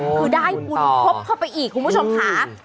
มันก็ได้บุญทบเข้าไปอีกคุณผู้ชมค่ะ